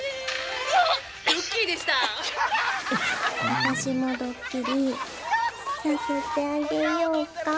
私もドッキリさせてあげようか？